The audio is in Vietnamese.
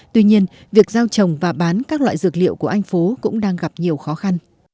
tuy nhiên việc giao trồng và bán các loại dược liệu của anh phố cũng đang gặp nhiều khó khăn